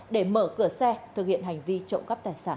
để mở cửa xe thực hiện hành vi trộm cắp tài sản